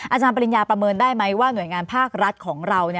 อาจารย์ปริญญาประเมินได้ไหมว่าหน่วยงานภาครัฐของเรา